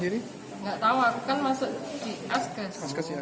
terry kmosa salah satunya berhutang alcohol akut loong kotaumsi jugak